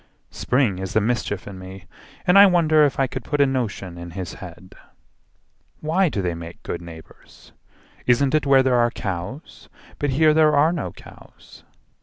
Spring is the mischief in me, and I wonder If I could put a notion in his head: "Why do they make good neighbours? Isn't it Where there are cows? But here there are no cows.